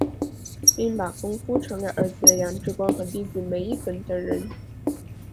并把功夫传给儿子杨志光和弟子梅益本等人。